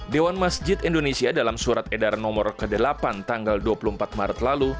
dewan masjid indonesia dalam surat edaran nomor ke delapan tanggal dua puluh empat maret lalu